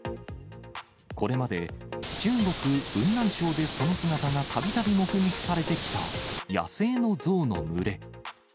これまで中国・雲南省でその姿がたびたび目撃されてきた野生の象の群れ。